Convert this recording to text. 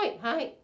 はい。